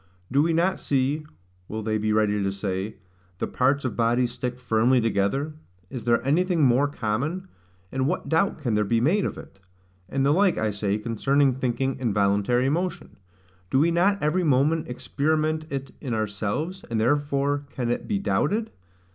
Do we not see (will they be ready to say) the parts of bodies stick firmly together? Is there anything more common? And what doubt can there be made of it? And the like, I say, concerning thinking and voluntary motion. Do we not every moment experiment it in ourselves, and therefore can it be doubted?